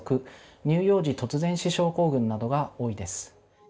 乳幼児突然死症候群などが多いです。